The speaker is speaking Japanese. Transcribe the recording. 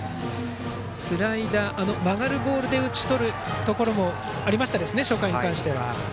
曲がるボールで打ち取るところもありましたね、初回に関しては。